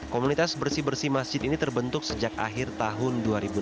komunitas bersih bersih masjid ini terbentuk sejak akhir tahun dua ribu enam belas